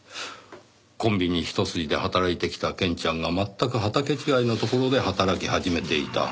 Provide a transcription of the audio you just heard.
コンビニひと筋で働いてきたケンちゃんが全く畑違いのところで働き始めていた。